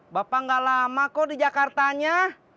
bapak gak lama kok di jakartanya